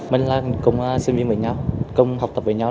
mình là công sinh viên với nhau công học tập với nhau